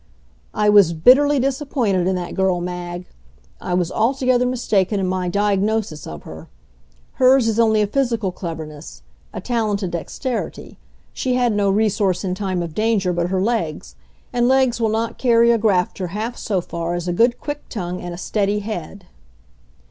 I was bitterly disappointed in that girl, Mag! I was altogether mistaken in my diagnosis of her. Hers is only a physical cleverness, a talented dexterity. She had no resource in time of danger but her legs. And legs will not carry a grafter half so far as a good, quick tongue and a steady head.